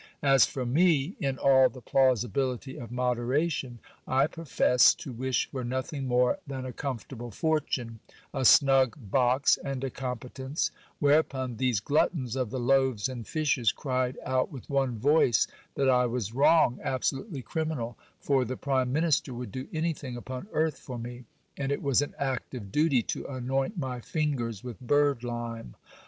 As for me, in all the plausibility of moderation, I professed to wish for nothing more than a comfortable fortune ; a snug box and a competence : whereupon these gluttons of the loaves and fishes cried out with one voice that I was wrong, absolutely criminal ; for the prime minister would do anything upon earth for me, and it was an act of duty to anoint my fingers with bird lime.